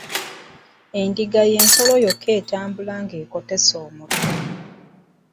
Endiga y'ensolo yokka etambula ng'ekotese omutwe.